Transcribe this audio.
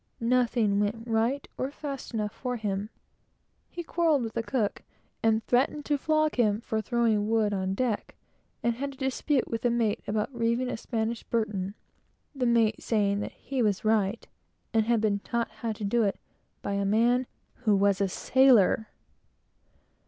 Nothing went right, or fast enough for him. He quarrelled with the cook, and threatened to flog him for throwing wood on deck; and had a dispute with the mate about reeving a Spanish burton; the mate saying that he was right, and had been taught how to do it by a man who was a sailor!